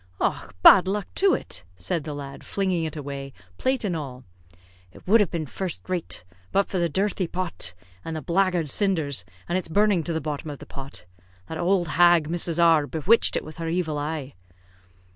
"Och, bad luck to it!" said the lad, flinging it away, plate and all. "It would have been first rate but for the dirthy pot, and the blackguard cinders, and its burning to the bottom of the pot. That owld hag, Mrs. R , bewitched it with her evil eye."